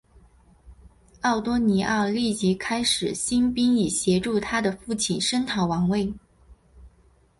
奥多尼奥立即开始兴兵以协助他的父亲声讨王位。